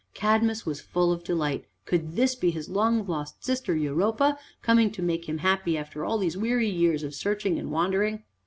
Cadmus was full of delight. Could this be his long lost sister Europa coming to make him happy after all these weary years of searching and wandering?